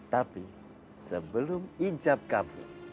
tapi sebelum ijab kamu